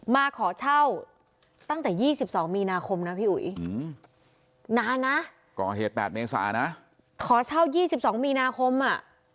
มาขอเช่าตั้งแต่๒๒มีนาคมนะพี่อุ๋ยนานนะขอเช่า๒๒มีนาคมอ่ะ